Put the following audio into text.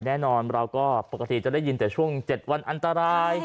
แน่นอนเราก็ปกติจะได้ยินแต่ช่วง๗วันอันตราย